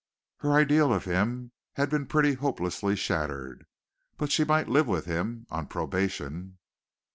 Her ideal of him had been pretty hopelessly shattered but she might live with him on probation.